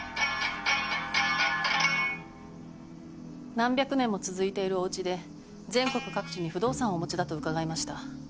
何百年も続いているおうちで全国各地に不動産をお持ちだと伺いました。